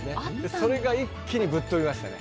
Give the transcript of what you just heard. それが一気にぶっ飛びましたね。